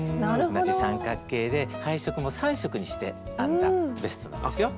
同じ三角形で配色も３色にして編んだベストなんですよ。